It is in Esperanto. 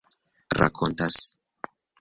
rakontas